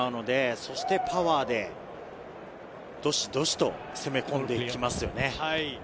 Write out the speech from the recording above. そしてパワーでどしどしと攻め込んで行きますよね。